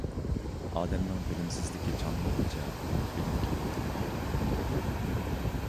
ئادەمنىڭ بىلىمسىزلىكى چانمىغۇچە، ئۇ بىلىمگە ئىنتىلمەيدۇ.